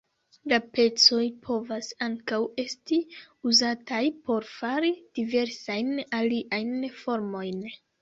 La pecoj povas ankaŭ esti uzataj por fari diversajn aliajn formojn.